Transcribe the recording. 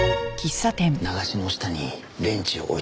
流しの下にレンチを置いてきた。